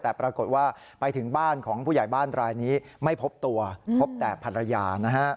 แต่ปรากฏว่าไปถึงบ้านของผู้ใหญ่บ้านรายนี้ไม่พบตัวพบแต่ภรรยานะฮะ